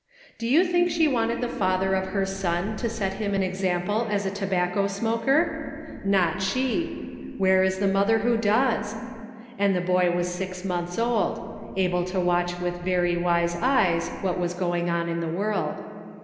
Do you think she wanted the father of her son to set him an example as a tobacco smoker ? Not she ! Where is the mother who does? And the boy was six months old — able to watch with very wise eyes what was going on in the world.